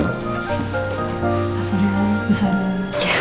mas surya bu sara